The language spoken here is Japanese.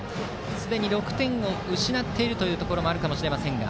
すでに６点を失っているというところもあるかもしれませんが。